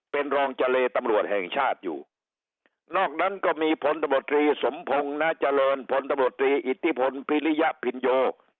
เป็นรองก์จลตบแห่งชาติอยู่นอกนั้นก็มีพลตบสมพงษ์นะจพลตอิทธิพลพิลิยะพิธโย